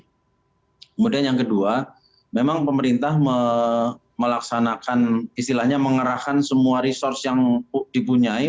kemudian yang kedua memang pemerintah melaksanakan istilahnya mengerahkan semua resource yang dipunyai